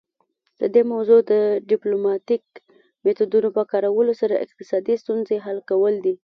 د دې موضوع د ډیپلوماتیکو میتودونو په کارولو سره اقتصادي ستونزې حل کول دي